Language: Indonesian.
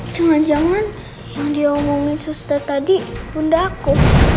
jangan jangan yang dia omongin suster tadi bunda aku